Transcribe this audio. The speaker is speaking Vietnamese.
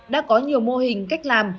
đã có nhiều mô hình cách làm